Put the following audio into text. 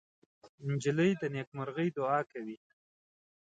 نجلۍ د نیکمرغۍ دعا کوي.